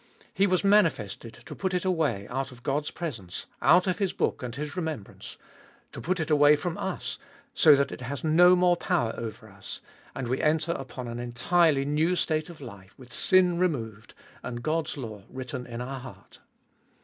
He was manifested to put it away out of God's presence, out of His book and His remembrance — to put it away from us, so that it has no more power over us, and we enter upon an entirely new state of life, with sin removed and God's law written in our heart.